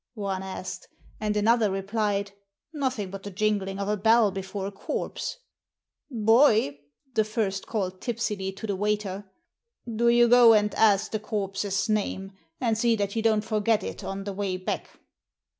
one asked, and another replied, " Nothing but the jingling of a bell before a Zi}t (patboner'0 Zdt 105" corpse." —" Boy>" the first called tipsily to the waiter, " do you go and ask the corpse's name ; and see that you don't forget it on the way back."